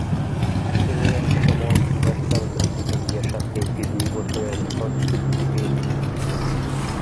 তিনি একময় universal music ইন্ডিয়ার সাথে একটি দুই বছরের রেকর্ড চুক্তি পেয়েছিলেন।